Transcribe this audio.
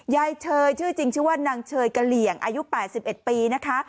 เชยชื่อจริงชื่อว่านางเชยกะเหลี่ยงอายุ๘๑ปีนะคะ